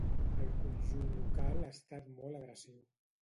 El conjunt local ha estat molt agressiu.